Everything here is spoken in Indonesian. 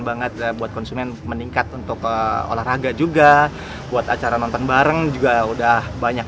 banget buat konsumen meningkat untuk olahraga juga buat acara nonton bareng juga udah banyak